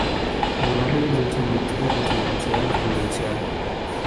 El barrio es de uso mixto residencial y comercial.